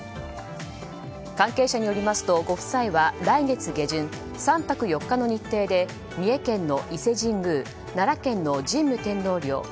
関係者によりますと、ご夫妻は来月下旬、３泊４日の日程で三重県の伊勢神宮奈良県の神武天皇陵